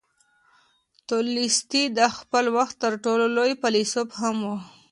تولستوی د خپل وخت تر ټولو لوی فیلسوف هم و.